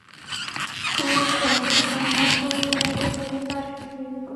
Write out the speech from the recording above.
ستوري زموږ د کایناتو لرې لرې برخې ښيي.